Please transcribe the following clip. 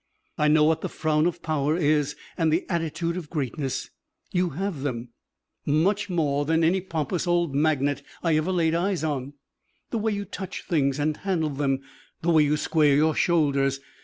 I know what the frown of power is and the attitude of greatness. You have them much more than any pompous old magnate I ever laid eyes on. The way you touch things and handle them, the way you square your shoulders.